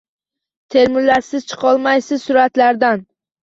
Termulasiz chiqolmaysiz suratlardan